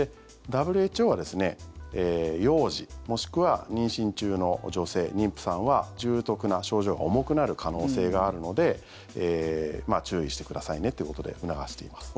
ＷＨＯは幼児、もしくは妊娠中の女性、妊婦さんは重篤な症状が重くなる可能性があるので注意してくださいねということで促しています。